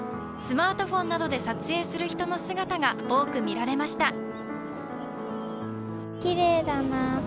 スマートフォンなどで撮影する人の姿が多く見られました。